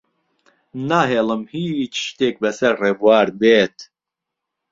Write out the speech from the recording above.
ناهێڵم هیچ شتێک بەسەر ڕێبوار بێت.